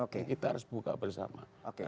kita harus buka bersama